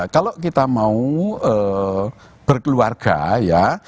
kalau kita mau berkeluarga ya